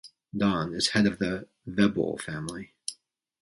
Don is head of the Vebole family.